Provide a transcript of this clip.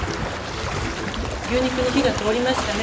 牛肉に火が通りましたね。